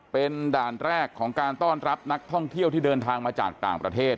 เป็นด่านแรกของการต้อนรับนักท่องเที่ยวที่เดินทางมาจากต่างประเทศ